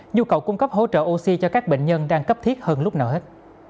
nhu cầu cung cấp hỗ trợ oxy cho các bệnh nhân đang cấp thiết hơn lúc nào hết